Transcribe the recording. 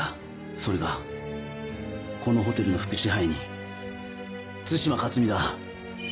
それがこのホテルの副支配人対馬勝見だ。